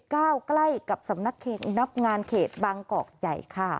ใกล้กับสำนักงานเขตบางกอกใหญ่ค่ะ